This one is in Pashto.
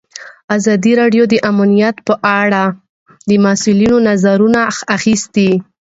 ازادي راډیو د امنیت په اړه د مسؤلینو نظرونه اخیستي.